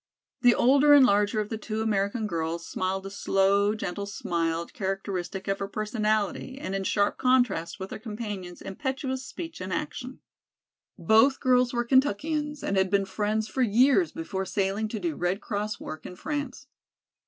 The older and larger of the two American girls smiled a slow, gentle smile characteristic of her personality and in sharp contrast with her companion's impetuous speech and action. Both girls were Kentuckians and had been friends for years before sailing to do Red Cross work in France.